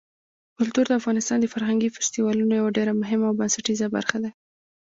کلتور د افغانستان د فرهنګي فستیوالونو یوه ډېره مهمه او بنسټیزه برخه ده.